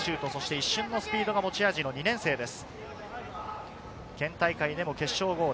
一瞬のスピードが持ち味の２年生です。